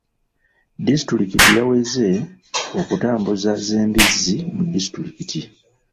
Disitulikiti yaweze okutambuza z'embizi mu disitulikiti.